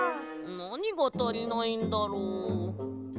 なにがたりないんだろう？